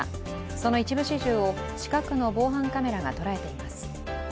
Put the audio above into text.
その一部始終を近くの防犯カメラが捉えています。